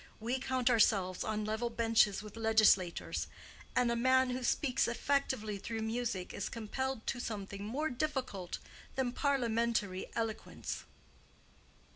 We count ourselves on level benches with legislators. And a man who speaks effectively through music is compelled to something more difficult than parliamentary eloquence."